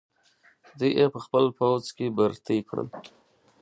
دوی یې په خپل پوځ کې برتۍ کړل.